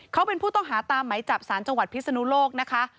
เขาเป็นผู้ต้องหาตามไหมจับสารจังหวัดพิศนุโลกนะคะ